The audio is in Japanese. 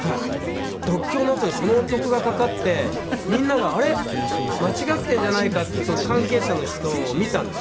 読経のあとにこの曲がかかってみんなが「あれ？間違ってんじゃないか」って言って関係者の人を見たんです。